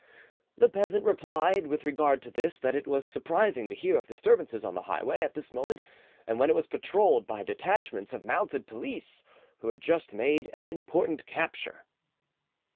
The peasant replied, with regard to this, that it was surprising to hear of disturbances on the highway at this moment, when it was patrolled by detachments of mounted police, who had just made an important capture.